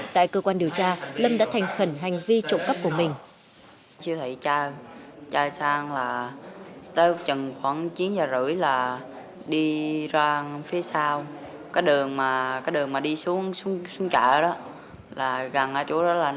tại cơ quan điều tra lâm đã thành khẩn hành hành vi trộm cắp của mình